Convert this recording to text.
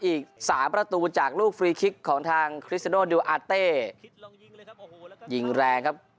อีก๓ประตูจากลูกฟรีคิกของทางคริสโดดิวอาเต้ยิงแรงครับ